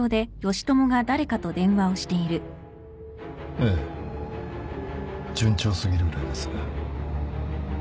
ええ順調すぎるぐらいです。